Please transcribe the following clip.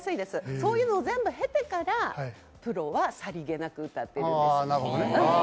そういうの全部経てからプロはさりげなく歌ってるんです。